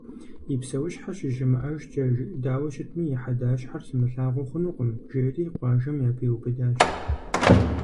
«И псэущхьэ щыщымыӀэжкӀэ дауэ щытми и хьэдащхьэр сымылъагъуу хъунукъым», – жери къуажэм япиубыдащ.